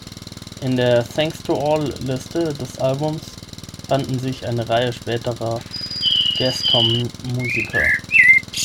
In der "Thanks to all Liste" des Albums fanden sich eine Reihe späterer Gescom-Musiker.